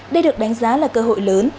đây được đánh giá là cơ hội lớn